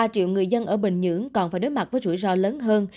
ba triệu người dân ở bình nhưỡng còn phải đối mặt với rủi ro lớn hơn